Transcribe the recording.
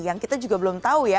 yang kita juga belum tahu ya